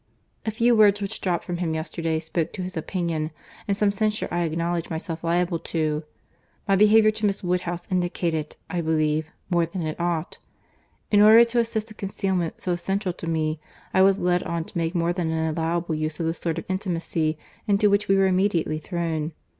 —A few words which dropped from him yesterday spoke his opinion, and some censure I acknowledge myself liable to.—My behaviour to Miss Woodhouse indicated, I believe, more than it ought.—In order to assist a concealment so essential to me, I was led on to make more than an allowable use of the sort of intimacy into which we were immediately thrown.